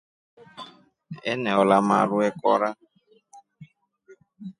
Eneola maru ekora.